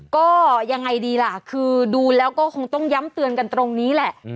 ก็ยังไงดีล่ะคือดูแล้วก็คงต้องย้ำเตือนกันตรงนี้แหละ